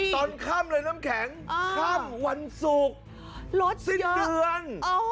ตอนข้ามเลยน้ำแข็งข้ามวันสุกสิ้นเตือน